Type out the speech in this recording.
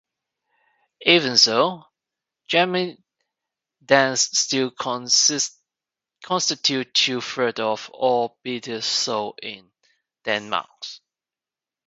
Even so, Gammel Dansk still constitutes two-thirds of all bitters sold in Denmark.